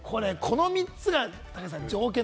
この３つが条件。